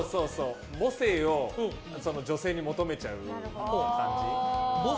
母性を女性に求めちゃう感じ。